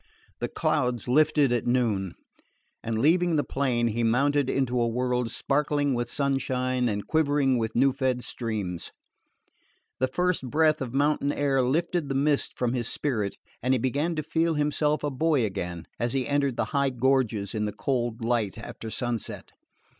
The clouds lifted at noon; and leaving the plain he mounted into a world sparkling with sunshine and quivering with new fed streams. The first breath of mountain air lifted the mist from his spirit, and he began to feel himself a boy again as he entered the high gorges in the cold light after sunset.